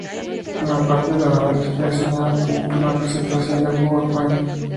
Una parte de la novela está diseñada como una presentación de PowerPoint.